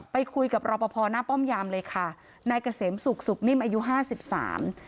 ไปคุยกับรอปภหน้าป้อมยามเลยค่ะนายเกษมศุกร์สุขนิ่มอายุห้าสิบสาม